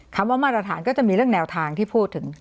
คำว่ามาตรฐานก็จะมีเรื่องแนวทางที่พูดถึง